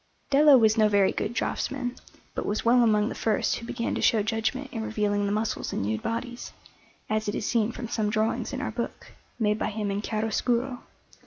Dello was no very good draughtsman, but was well among the first who began to show judgment in revealing the muscles in nude bodies, as it is seen from some drawings in our book, made by him in chiaroscuro.